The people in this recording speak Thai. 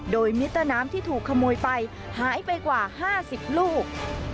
โดยมิเตอร์น้ำที่ถูกขโมยไปหายไปกว่า๕๐ลูก